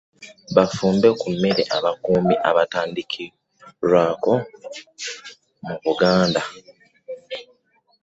Bafube okubeera abakuumi abatandikirwako mu Buganda.